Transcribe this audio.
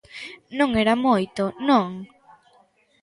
Non era moito, non?